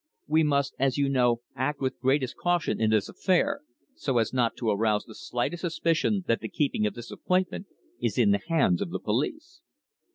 We must, as you know, act with greatest caution in this affair, so as not to arouse the slightest suspicion that the keeping of this appointment is in the hands of the police."